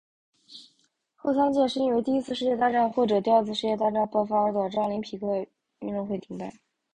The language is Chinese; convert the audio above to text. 后三届是因为第一次世界大战或者第二次世界大战爆发而导致奥林匹克运动会停办。